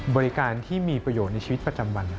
บริการที่มีประโยชน์ในชีวิตประจำวัน